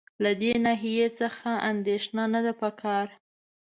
له دې ناحیې څخه اندېښنه نه ده په کار.